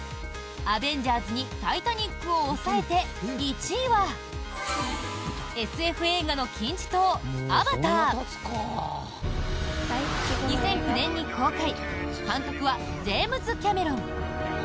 「アベンジャーズ」に「タイタニック」を抑えて１位はＳＦ映画の金字塔「アバター」。２００９年に公開監督はジェームズ・キャメロン。